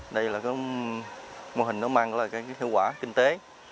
đây là mô hình mang lại hiệu quả kinh tế